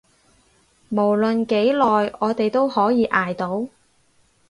無論幾耐，我哋都可以捱到